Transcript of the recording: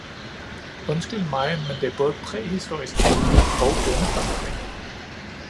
Undskyld mig, men det er både præhistorisk tænkning og bondefangeri.